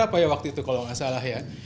apa ya waktu itu kalau nggak salah ya